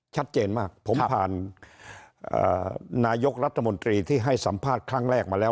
ชัดเจนมากผมผ่านนายกรัฐมนตรีที่ให้สัมภาษณ์ครั้งแรกมาแล้ว